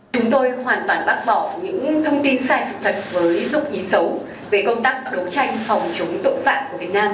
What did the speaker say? chúng tôi hoàn toàn bác bỏ những thông tin sai sự thật với dục ý xấu về công tác đấu tranh phòng chống tội phạm của việt nam